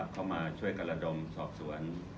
เข้ามาช่วยกันระดมสอบสวน